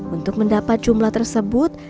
untuk mendapat jumlah tersebut